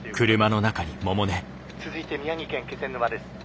「続いて宮城県気仙沼です。